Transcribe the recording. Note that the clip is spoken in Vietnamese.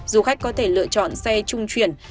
du khách có thể lựa chọn xe trung chuyển